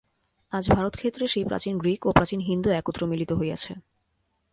আজ ভারতক্ষেত্রে সেই প্রাচীন গ্রীক ও প্রাচীন হিন্দু একত্র মিলিত হইয়াছে।